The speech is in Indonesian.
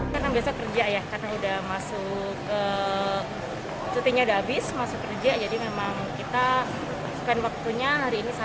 pertanyaan pertanyaan terakhir